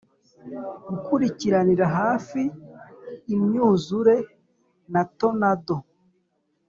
gukurikiranira hafi imyuzure na tonado.